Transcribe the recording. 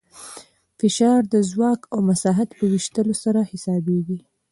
فشار د ځواک او مساحت په ویشلو سره حسابېږي.